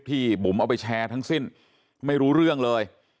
บุ๋มเอาไปแชร์ทั้งสิ้นไม่รู้เรื่องเลย